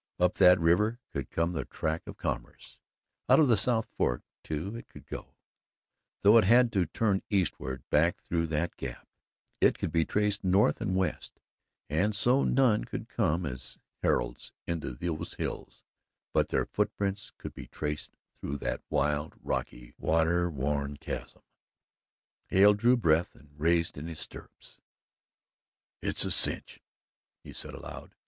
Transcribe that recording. Up that river could come the track of commerce, out the South Fork, too, it could go, though it had to turn eastward: back through that gap it could be traced north and west; and so none could come as heralds into those hills but their footprints could be traced through that wild, rocky, water worn chasm. Hale drew breath and raised in his stirrups. "It's a cinch," he said aloud.